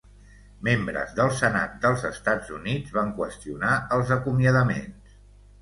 Membres del Senat dels Estats Units van qüestionar els acomiadaments.